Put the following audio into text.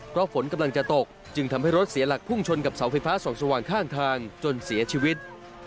เพราะฝนกำลังจะตกจึงทำให้รถเสียหลักพุ่งชนกับเสาไฟฟ้าส่องสว่างข้างทางจนเสียชีวิต